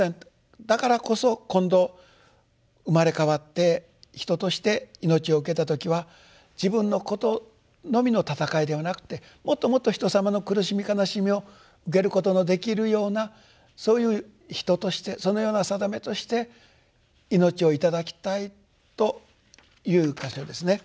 だからこそ今度生まれ変わって人として命を受けた時は自分のことのみの闘いではなくてもっともっと人様の苦しみ悲しみを受けることのできるようなそういう人としてそのような定めとして命を頂きたいという箇所ですね。